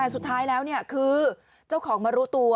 สุดท้ายเจ้าของมารู้ตัว